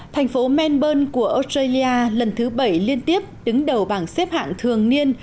thành phố menburne của australia lần thứ bảy liên tiếp đứng đầu bảng xếp hạng thường niên